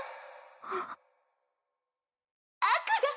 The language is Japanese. あっ悪だ！